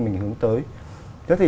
mình hướng tới